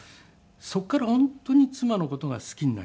そこから本当に妻の事が好きになりましたね。